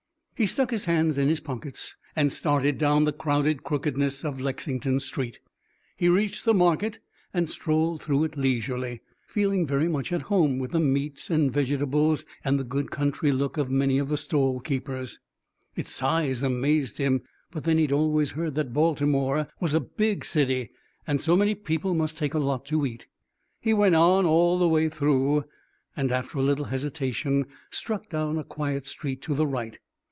He stuck his hands in his pockets and started down the crowded crookedness of Lexington Street. He reached the market and strolled through it leisurely, feeling very much at home with the meats and vegetables and the good country look of many of the stall keepers. Its size amazed him; but then he'd always heard that Baltimore was a big city, and so many people must take a lot to eat. He went on, all the way through, and after a little hesitation struck down a quiet street to the right.